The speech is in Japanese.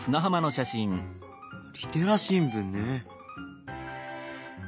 リテラ新聞ね。